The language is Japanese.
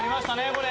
これ。